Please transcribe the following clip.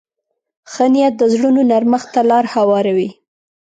ښه نیت د زړونو نرمښت ته لار هواروي.